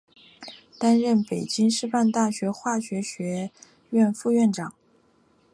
担任北京师范大学化学学院副院长。